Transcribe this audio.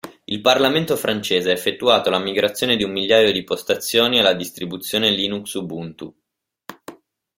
Il Parlamento francese ha effettuato la migrazione di un migliaio di postazioni alla distribuzione Linux Ubuntu.